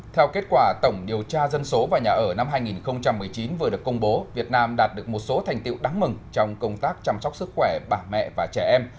theo kết quả tổng điều tra dân số và nhà ở năm hai nghìn một mươi chín vừa được công bố việt nam đạt được một số thành tiệu đáng mừng trong công tác chăm sóc sức khỏe bà mẹ và trẻ em